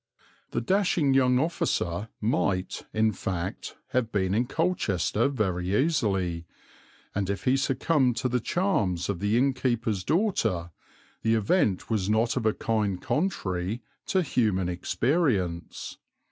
The dashing young officer might, in fact, have been in Colchester very easily, and if he succumbed to the charms of the inn keeper's daughter, the event was not of a kind contrary to human experience.